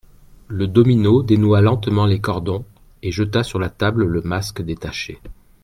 Le domino dénoua lentement les cordons et jeta sur la table le masque détaché.